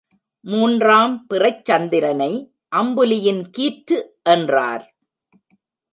மூன்றாம் பிறைச் சந்திரனை அம்புலியின் கீற்று என்றார்.